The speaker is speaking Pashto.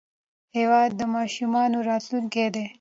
هېواد د ماشومانو راتلونکی دی.